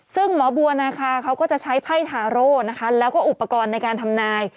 ซึ่งหมอบัวนาคาเขาก็จะใช้ไพ่ทาโร่นะคะแล้วก็อุปกรณ์ในการทำนาย